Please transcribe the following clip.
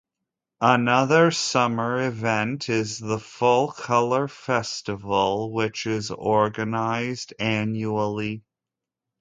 Another summer event is the Full Color Festival, which is organized annually.